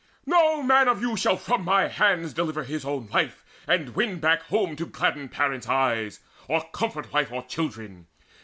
No man of you Shall from mine hands deliver his own life, And win back home, to gladden parents eyes, Or comfort wife or children.